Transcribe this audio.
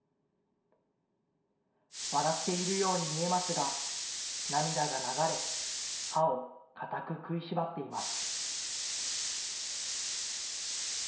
笑っているように見えますが、涙が流れ、歯を固く食いしばっています。